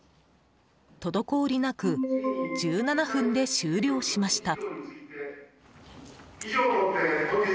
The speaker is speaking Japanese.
滞りなく１７分で終了しました。